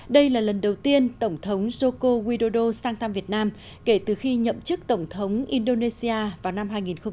đây là lần đầu tiên tổng thống joko widodo sang thăm việt nam kể từ khi nhậm chức tổng thống indonesia vào năm hai nghìn một mươi